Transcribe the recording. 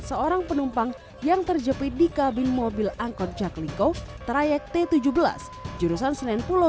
seorang penumpang yang terjepit di kabin mobil angkot jaklikop trayek t tujuh belas jurusan senen pulau